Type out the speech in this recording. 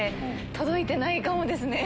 届いてないかもですね。